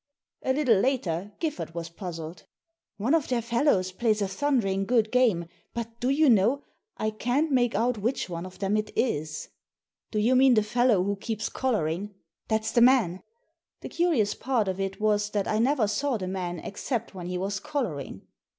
A little later Giffard was puzzled. "One of their fellows plays a thundering good game, but, do you know, I can't make out which one of them it is." " Do you mean the fellow who keeps collaring." "That's the man I" The curious part of it was that I never saw the man except when he was collaring.